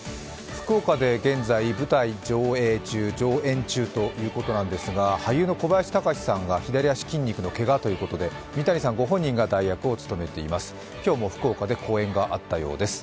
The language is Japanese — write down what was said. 福岡で現在、舞台上演中ということなんですが俳優の小林隆さんが左足筋肉のけがということで三谷さんご本人が代役を務めています。